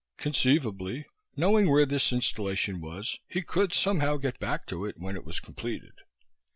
Conceivably knowing where this installation was he could somehow get back to it when it was completed.